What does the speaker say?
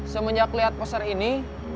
semenjak liat pasar ini